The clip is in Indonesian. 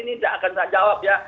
ini akan saya jawab ya